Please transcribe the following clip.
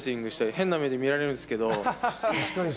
変な目で見られるんですけれども。